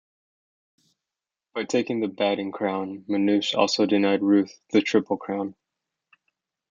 By taking the batting crown, Manush also denied Ruth the Triple Crown.